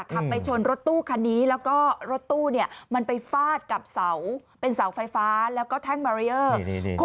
ขับไปชนรถตู้คันนี้แล้วก็รถตู้เนี่ยมันไปฟาดกับเสาเป็นเสาไฟฟ้าแล้วก็แท่งบารีเออร์